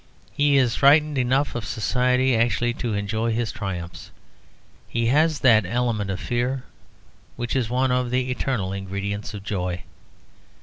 He is frightened enough of society actually to enjoy his triumphs. He has that element of fear which is one of the eternal ingredients of joy.